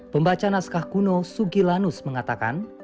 pembaca naskah kuno sugilanus mengatakan